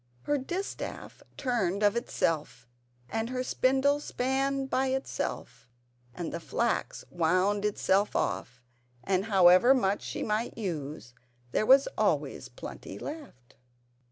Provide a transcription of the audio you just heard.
Her distaff turned of itself and her spindle span by itself and the flax wound itself off; and however much she might use there was always plenty left.